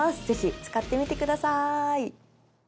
是非使ってみてください。